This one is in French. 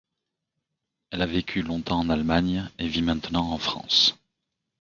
Elle a vécu longtemps en Allemagne et vit maintenant en France.